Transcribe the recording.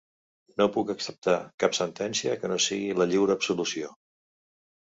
No puc acceptar cap sentència que no sigui la lliure absolució.